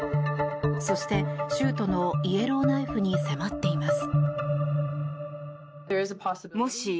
そして、州都のイエローナイフに迫っています。